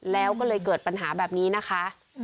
แล้วก็เลยเกิดปัญหาแบบนี้นะคะ